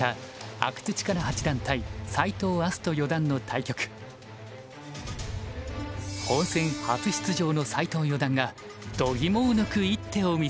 本戦初出場の斎藤四段がどぎもを抜く一手を見せました。